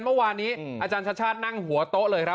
เมื่อวานี้อชัชชาษณ์นั่งหัวโต๊ะ